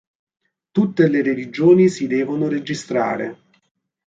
Tutte le religioni si devono registrare.